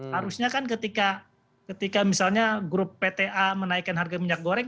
harusnya kan ketika misalnya grup pta menaikkan harga minyak goreng